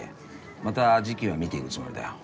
また時期は見ていくつもりだよ。